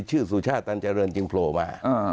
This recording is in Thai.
ชื่อสุชาติตันเจริญคือโปรมา